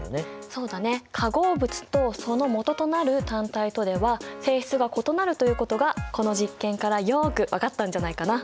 そうだね化合物とそのもととなる単体とでは性質が異なるということがこの実験からよく分かったんじゃないかな？